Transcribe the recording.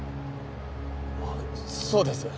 あっそうです。